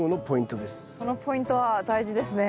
そのポイントは大事ですね。